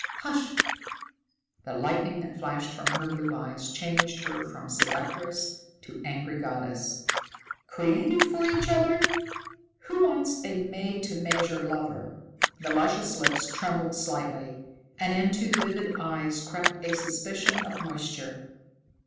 "Hush!" The lightning that flashed from her blue eyes changed her from seductress to angry goddess. "Created for each other! Who wants a made to measure lover?" The luscious lips trembled slightly, and into the vivid eyes crept a suspicion of moisture.